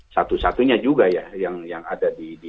satu satunya juga ya yang ada di